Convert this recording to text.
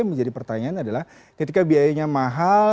yang menjadi pertanyaan adalah ketika biayanya mahal